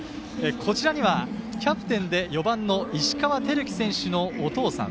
こちらにはキャプテンで４番の石川瑛貴選手のお父さん